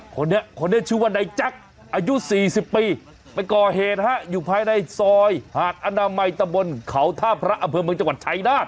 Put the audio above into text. คนนี้คนนี้ชื่อว่านายแจ็คอายุ๔๐ปีไปก่อเหตุฮะอยู่ภายในซอยหาดอนามัยตะบนเขาท่าพระอำเภอเมืองจังหวัดชายนาฏ